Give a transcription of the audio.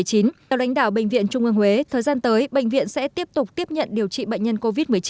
theo lãnh đạo bệnh viện trung ương huế thời gian tới bệnh viện sẽ tiếp tục tiếp nhận điều trị bệnh nhân covid một mươi chín